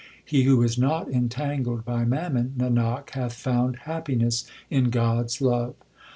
1 He who is not entangled by mammon, Nanak, hath found happiness in God s love.